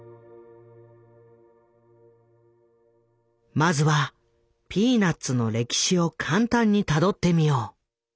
まずは「ピーナッツ」の歴史を簡単にたどってみよう。